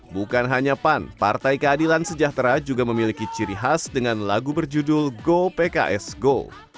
bukan hanya pan partai keadilan sejahtera juga memiliki ciri khas dengan lagu berjudul go pks go